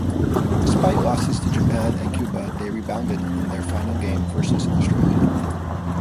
Despite losses to Japan and Cuba, they rebounded in their final game versus Australia.